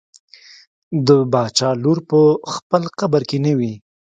د باچا لور په خپل قبر کې نه وي.